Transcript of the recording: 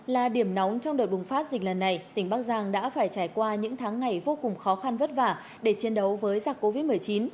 là điểm nóng trong đợt bùng phát dịch lần này tỉnh bắc giang đã phải trải qua những tháng ngày vô cùng khó khăn vất vả để chiến đấu với giặc covid một mươi chín